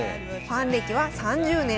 ファン歴は３０年。